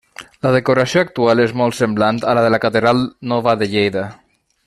La decoració actual és molt semblant a la de la catedral nova de Lleida.